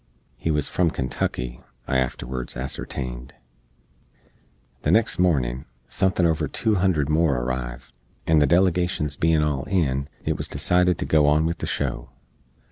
He wuz from Kentucky, I afterwards ascertained. The next mornin, suthin over two hundred more arriv; and the delegashens bein all in, it wuz decided to go on with the show.